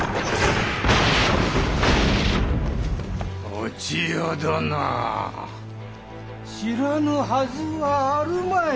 お千代殿知らぬはずはあるまい？